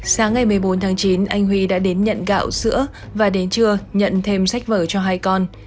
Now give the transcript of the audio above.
sáng ngày một mươi bốn tháng chín anh huy đã đến nhận gạo sữa và đến trưa nhận thêm sách vở cho hai con